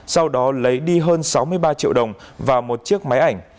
sau đó lấy đi hơn sáu mươi ba triệu đồng và một chiếc máy ảnh